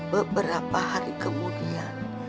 beberapa hari kemudian